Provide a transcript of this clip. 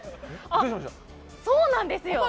そうなんですよ。